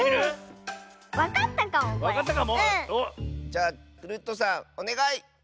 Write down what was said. じゃあクルットさんおねがい！